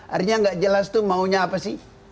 artinya yang tidak jelas itu maunya apa sih